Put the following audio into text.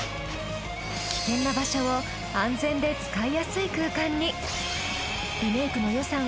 危険な場所を安全で使いやすい空間に！